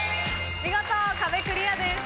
見事壁クリアです。